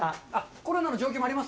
コロナの状況もあります